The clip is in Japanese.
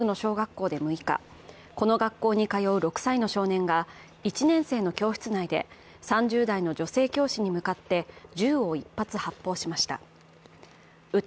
アメリカ東部のバージニア州ニューポートニューズの小学校で６日、この学校に通う６歳の少年が１年生の教室内で３０代の女性教師に向かって銃を１発発砲しました。